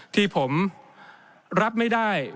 ที่ผมรับไม่ได้